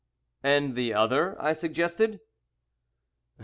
"And the other," I suggested.